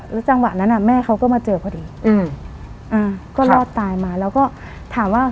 แล้วจังหวะนั้นอ่ะแม่เขาก็มาเจอพอดีอืมอ่าก็รอดตายมาแล้วก็ถามว่า